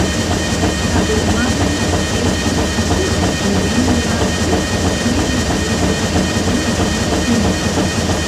Tabermann estis tute dulingva sed skribis librojn nur en finna.